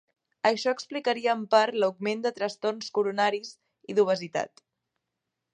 Això explicaria en part l'augment de trastorns coronaris i d'obesitat.